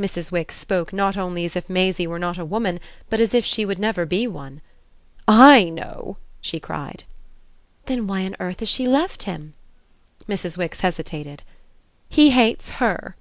Mrs. Wix spoke not only as if Maisie were not a woman, but as if she would never be one. "I know!" she cried. "Then why on earth has she left him?" Mrs. Wix hesitated. "He hates HER.